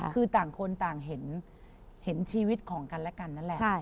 คือต่างคนต่างเห็นชีวิตของกันและกันนั่นแหละ